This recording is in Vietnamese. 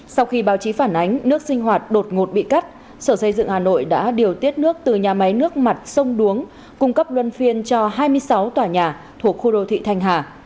sau khi báo chí phản ánh nước sinh hoạt đột ngột bị cắt sở dây dựng hà nội đã điều tiết nước từ nhà máy nước mặt sông đuống cung cấp luân phiên cho hai mươi sáu tòa nhà thuộc khu đô thị thanh hà